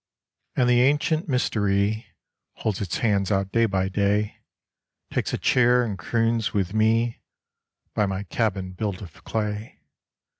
And the ancient mystery Holds its hands out day by day, Takes a chair and croons with me By my cabin built of clay.